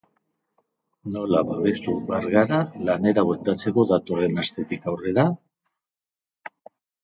Nola babestu behar gara lanera bueltatzeko datorren astetik aurrera?